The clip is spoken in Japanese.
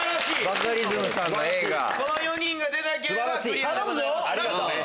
ありがとね！